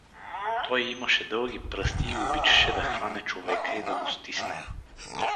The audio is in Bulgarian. Той имаше дълги пръсти и обичаше да хване човека и да го стисне.